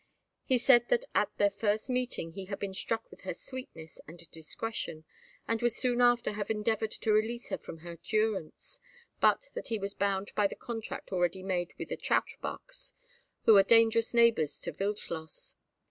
He said that at their first meeting he had been struck with her sweetness and discretion, and would soon after have endeavoured to release her from her durance, but that he was bound by the contract already made with the Trautbachs, who were dangerous neighbours to Wildschloss.